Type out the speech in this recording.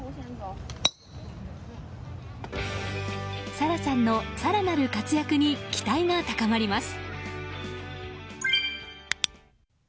紗楽さんの更なる活躍に期待が高まります。